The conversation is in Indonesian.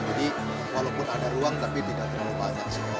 jadi walaupun ada ruang tapi tidak terlalu banyak